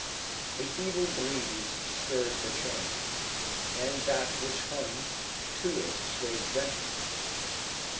A feeble breeze stirred the chain, and that which hung to it swayed gently.